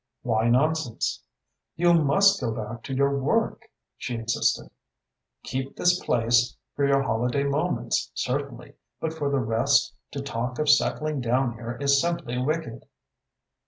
"Why nonsense?" "You must go back to your work," she insisted. "Keep this place for your holiday moments, certainly, but for the rest, to talk of settling down here is simply wicked."